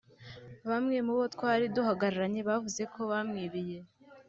Bamwe mu bo twari duhagararanye bavuze ko bamwibiye